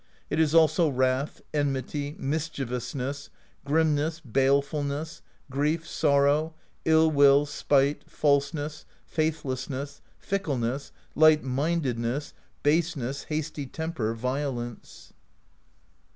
It is also wrath, en mity, mischievousness, grimness, balefulness, grief, sorrow, ill will, spite, falseness, faithlessness, fickleness, light mindedness, baseness, hasty temper, violence.